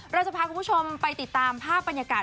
เราจะพาคุณผู้ชมไปติดตามภาพบรรยากาศ